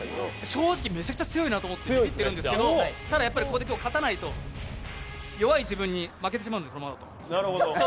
正直めちゃくちゃ強いなと思ってびびってるんですけどただ、ここで勝たないと、弱い自分に負けてしまうので。